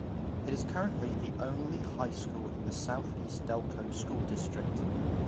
It is currently the only high school in the Southeast Delco School District.